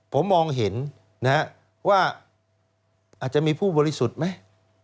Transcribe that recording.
ผมมองเห็นว่าอาจจะมีผู้บริสุทธิ์ไหม